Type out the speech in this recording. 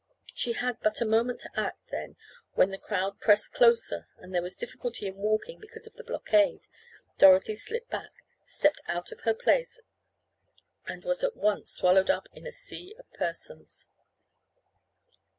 She had but a moment to act, then, when the crowd pressed closer and there was difficulty in walking because of the blockade, Dorothy slipped back, stepped out of her place, and was at once swallowed up in a sea of persons.